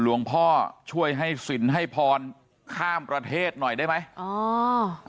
หลวงพ่อช่วยให้สินให้พรข้ามประเทศหน่อยได้ไหมอ๋อ